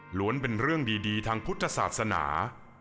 ล้วนเป็นเรื่องดีทางพุทธศาสนา